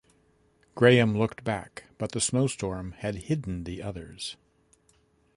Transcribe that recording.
Graham looked back, but the snowstorm had hidden the others.